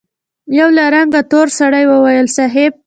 يوه له رنګه تور سړي وويل: صېب!